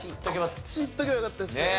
こっちいっておけばよかったですね。